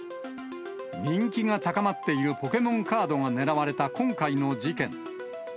人気が高まっているポケモンカードが狙われた今回の事件。